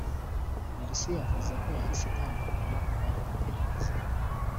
Polisi yavuze ko yahise itangira kubakoraho iperereza